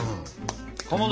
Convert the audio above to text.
かまど！